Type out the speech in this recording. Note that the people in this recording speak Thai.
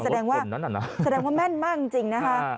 แสดงว่าลองลดคนนั้นน่ะแสดงว่าแม่นมากจริงจริงนะคะอ่า